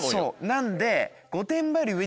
なんで。